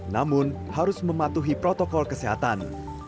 namun harus mematuhi protokol kesehatan